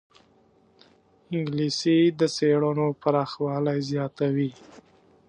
انګلیسي د څېړنو پراخوالی زیاتوي